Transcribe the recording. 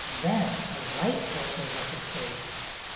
Then a light broke over her face.